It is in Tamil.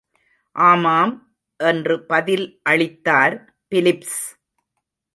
ஆமாம் என்று பதில் அளித்தார் பிலிப்ஸ்.